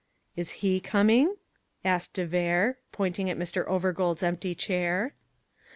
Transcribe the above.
"Is he coming?" asked de Vere, pointing at Mr. Overgold's empty chair.